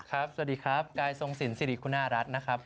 สวัสดีครับกายทรงสินสิริคุณารัฐนะครับ